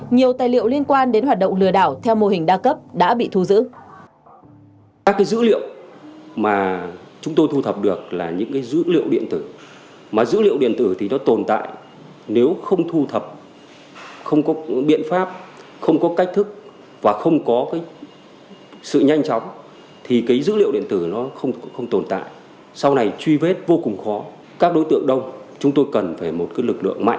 nhiều tài liệu liên quan đến hoạt động lừa đảo theo mô hình đa cấp đã bị thu giữ